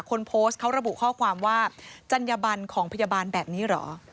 คนโพสต์เขาระบุข้อความว่าจัญญบันของพยาบาลแบบนี้เหรอ